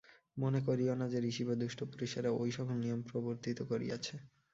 মনে করিও না যে, ঋষি বা দুষ্ট পুরুষেরা ঐ সকল নিয়ম প্রবর্তিত করিয়াছে।